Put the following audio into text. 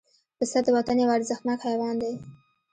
پسه د وطن یو ارزښتناک حیوان دی.